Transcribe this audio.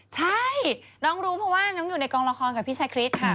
ใช่น้องรู้เพราะว่าน้องอยู่ในกองละครกับพี่ชาคริสค่ะ